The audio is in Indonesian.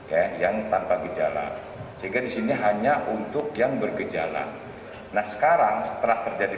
ya yang tanpa gejala sehingga disini hanya untuk yang bergejala nah sekarang setelah terjadi